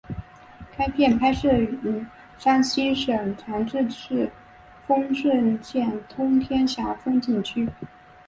该片拍摄于山西省长治市平顺县通天峡风景区。